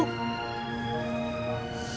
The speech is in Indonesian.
nggak pernah pak ustadz